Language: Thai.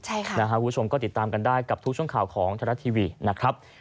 ใช่ค่ะนะฮะคุณผู้ชมก็ติดตามกันได้กับทุกช่วงข่าวของธรรมดาทีวีนะครับ